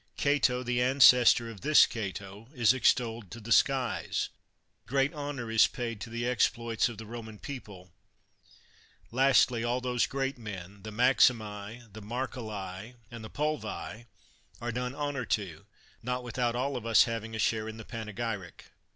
Cato, the ances tor of this Cato, is extolled to the skies. Great 143 THE WORLD'S FAMOUS ORATIONS honor is paid to the exploits of the Roman people. Lastly, all those great men, the Maximi, the Mar celli, and the Pulvii, are done honor to, not without all of us having also a share in the panegyric.